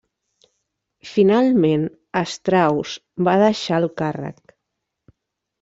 Finalment Strauss va deixar el càrrec.